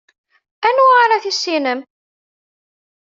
Anwa ara tissinem?